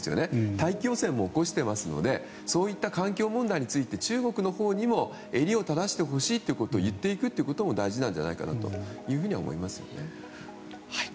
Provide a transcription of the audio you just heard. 大気汚染も起こしていますのでそういった環境問題について中国にも襟を正してほしいということを言っていくことも大事なんじゃないかと思います。